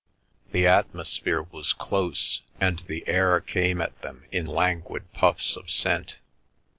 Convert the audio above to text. The atmosphere was close and the air came at them in languid puffs of scent.